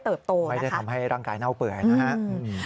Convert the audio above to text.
แต่ก็แล้วแต่คนเชื่อมันเชื่อครับ